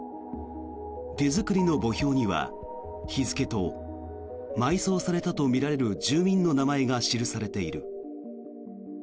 手作りの墓標には日付と埋葬されたとみられる住民の名前が記されている。